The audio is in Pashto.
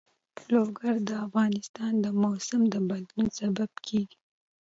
لوگر د افغانستان د موسم د بدلون سبب کېږي.